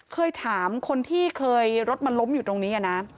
เคยถามคนที่เคยรถมันล้มอยู่ตรงนี้นะ